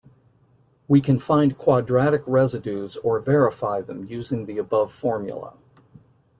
We can find quadratic residues or verify them using the above formula.